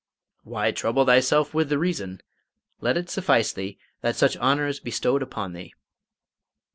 "Why trouble thyself with the reason? Let it suffice thee that such honour is bestowed upon thee."